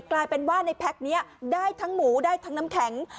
กลายเป็นว่าในแพ็คนี้ได้ทั้งหมูได้ทั้งน้ำแข็ง